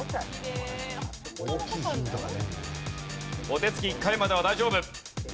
お手つき１回までは大丈夫。